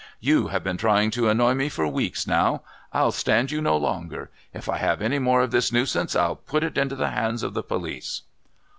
"You have been trying to annoy me for weeks now. I'll stand you no longer. If I have any more of this nuisance I'll put it into the hands of the police."